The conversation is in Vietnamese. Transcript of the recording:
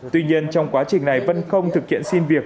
tuy nhiên trong quá trình này vân không thực hiện xin việc